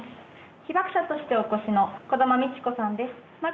被爆者としてお越しの児玉三智子さんです。